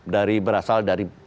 dari berasal dari